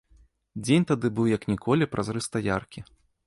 Дзень тады быў, як ніколі, празрыста яркі.